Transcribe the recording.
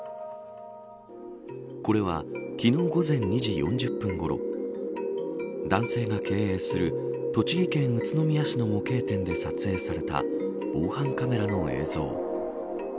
これは昨日午前２時４０分ごろ男性が経営する栃木県宇都宮市の模型店で撮影された防犯カメラの映像。